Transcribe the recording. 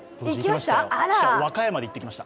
しかも和歌山で行ってきました。